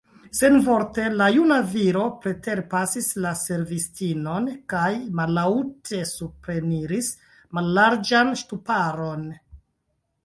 Senvorte la juna viro preterpasis la servistinon kaj mallaŭte supreniris mallarĝan ŝtuparon.